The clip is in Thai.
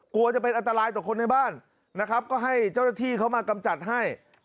กลัวจะเป็นอันตรายต่อคนในบ้านนะครับก็ให้เจ้าหน้าที่เขามากำจัดให้